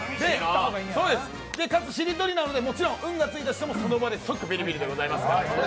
で、かつ、しりとりなのでもちろん「ん」がついた人も即ビリビリでございますから。